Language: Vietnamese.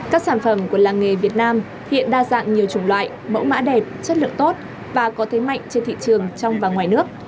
các sản phẩm của làng nghề việt nam hiện đa dạng nhiều chủng loại mẫu mã đẹp chất lượng tốt và có thế mạnh trên thị trường trong và ngoài nước